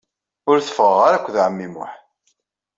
Ur teffɣeɣ ara akked ɛemmi Muḥ.